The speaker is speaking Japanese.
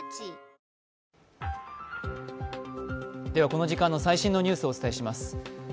この時間の最新のニュースをお伝えします。